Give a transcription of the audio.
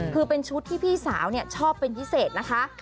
คือเป็นชุดที่พี่สาวชอบเป็นพิเศษนะคะ